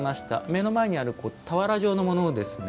目の前にある俵状のものですね。